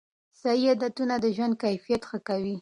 صحي عادتونه د ژوند کیفیت ښه کوي.